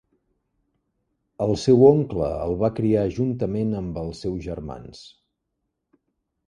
El seu oncle el va criar juntament amb els seus germans.